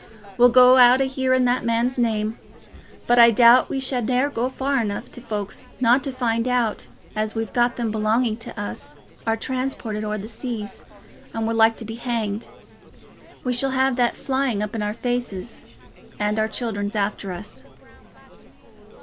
"We'll go out o' hearing o' that man's name. But I doubt we shall ne'er go far enough for folks not to find out as we've got them belonging to us as are transported o'er the seas, and were like to be hanged. We shall have that flyin' up in our faces, and our children's after us."